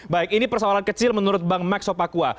baik ini persoalan kecil menurut bang max sopakua